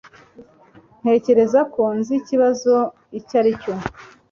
Ntekereza ko nzi ikibazo icyo ari cyo.